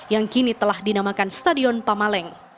yang kini telah dinamakan stadion pamaleng